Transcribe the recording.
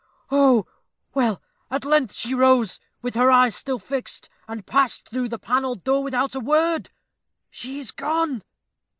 ough! Well, at length she arose, with her eyes still fixed, and passed through the paneled door without a word. She is gone!"